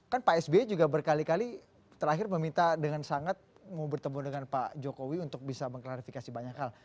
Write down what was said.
kan pak sby juga berkali kali terakhir meminta dengan sangat mau bertemu dengan pak jokowi untuk bisa mengklarifikasi banyak hal